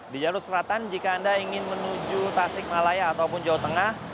di jalur selatan jika anda ingin menuju tasik malaya ataupun jawa tengah